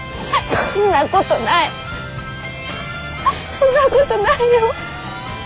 そんなことないよ。